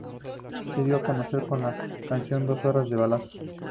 Se dio a conocer con la canción "Dos horas de balazos".